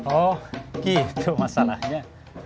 oh gitu masalahnya